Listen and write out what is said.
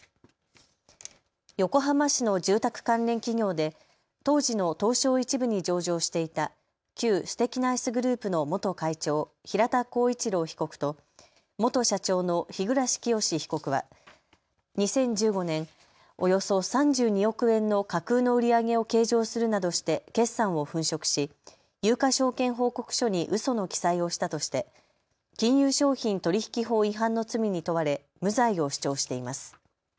横浜市の住宅関連企業で当時の東証１部に上場していた旧すてきナイスグループの元会長、平田恒一郎被告と元社長の日暮清被告は、２０１５年、およそ３２億円の架空の売り上げを計上するなどして決算を粉飾し有価証券報告書にうその記載をしたとして金融商品取引法違反の罪に問われ無罪を主張しています。